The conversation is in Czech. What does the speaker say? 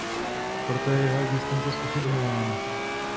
Proto je jeho existence zpochybňována.